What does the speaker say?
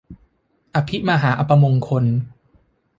อภิมหาอัปมงคล